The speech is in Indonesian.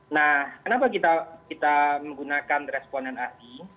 nah kenapa kita menggunakan responden ahli